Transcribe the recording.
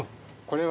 これ。